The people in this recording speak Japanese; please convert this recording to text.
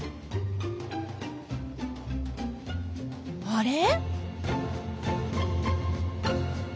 あれ？